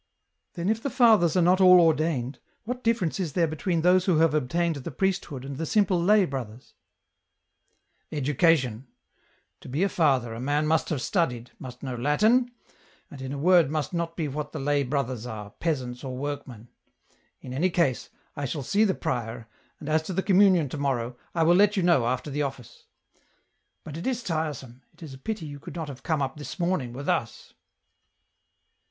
*' Then, if the fathers are not all ordained, what difference is there between those who have obtained the priesthood and the simple lay brothers ?"" Education — to be a father a man must have studied, must know Latin, and in a word must not be what the lay brothers are, peasants or workmen. In any case I shall see the prior, and as to the communion to morrow, I will let you know, after the office. But it is tiresome ; it is a pity you could not have come up this morning, with us."